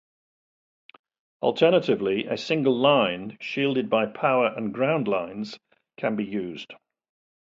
Alternatively, a single line shielded by power and ground lines can be used.